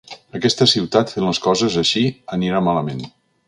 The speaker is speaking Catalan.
Aquesta ciutat fent les coses així anirà malament.